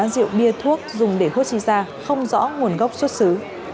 rượu bia thuốc dùng để hút xin ra không rõ nguồn gốc xuất xứ